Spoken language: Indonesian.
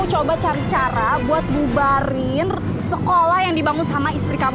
coba cari cara untuk mengubah sekolah yang dibangun oleh istri kamu